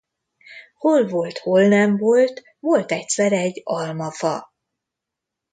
Hol volt, hol nem volt, volt egyszer egy almafa.